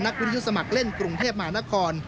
วิทยุสมัครเล่นกรุงเทพมหานคร